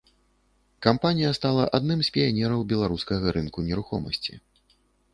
Кампанія стала адным з піянераў беларускага рынку нерухомасці.